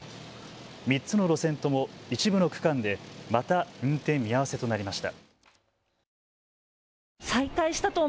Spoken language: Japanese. ３つの路線とも一部の区間でまた運転見合わせとなりました。